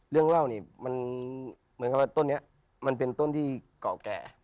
เรื่องเล่านี่มันเหมือนกับว่าต้นนี้มันเป็นต้นที่เก่าแก่